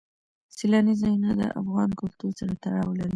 سیلانی ځایونه د افغان کلتور سره تړاو لري.